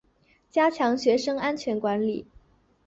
加强学生安全管理